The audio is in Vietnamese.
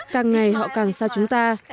càng ngày họ càng xa chúng ta